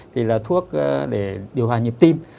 thì là thuốc để điều hòa nhịp tim